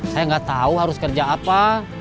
saya gak tau harus kerja apa